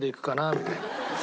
みたいな。